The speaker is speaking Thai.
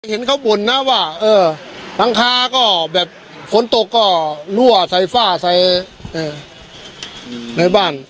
เห็นเขาบ่นนะว่าเออหลังคาก็แบบฝนตกก็รั่วใส่ฝ้าใส่ในบ้าน